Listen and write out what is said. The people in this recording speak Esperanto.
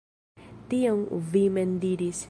Tion vi mem diris.